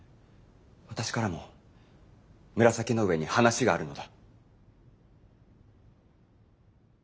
私からも紫の上に話があるのだ。